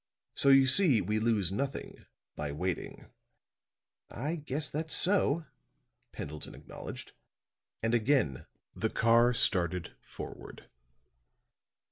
So you see, we lose nothing by waiting." "I guess that's so," Pendleton acknowledged, and again the car started forward.